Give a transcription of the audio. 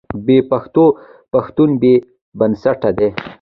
بې پښتوه پښتون بې بنسټه دی.